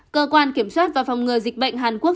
cơ quan kiểm soát và phòng ngừa dịch bệnh hàn quốc